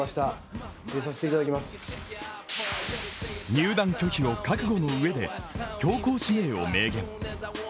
入団拒否を覚悟のうえで、強行指名を明言。